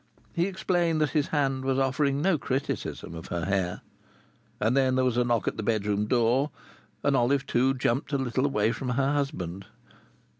He explained that his hand was offering no criticism of her hair. And then there was a knock at the bedroom door, and Olive Two jumped a little away from her husband.